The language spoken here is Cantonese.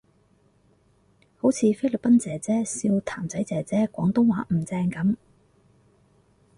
好似菲律賓姐姐笑譚仔姐姐廣東話唔正噉